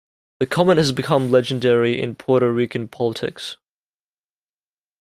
The comment has become legendary in Puerto Rican politics.